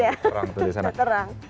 iya udah terang